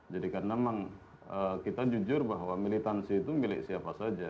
jadi karena memang kita jujur bahwa militansi itu milik siapa saja